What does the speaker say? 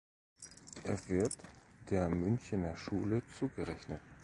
Er wird der Münchner Schule zugerechnet.